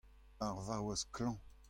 Ar vaouez klañv.